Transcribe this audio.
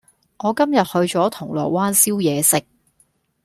我今日去咗銅鑼灣燒嘢食